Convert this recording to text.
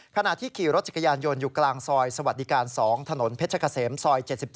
ขณะที่ขี่รถจักรยานยนต์อยู่กลางซอยสวัสดิการ๒ถนนเพชรเกษมซอย๗๗